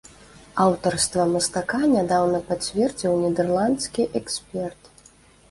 Аўтарства мастака нядаўна пацвердзіў нідэрландскі эксперт.